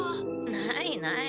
ないない。